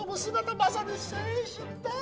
まさに青春だよ！